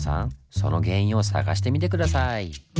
その原因を探してみて下さい。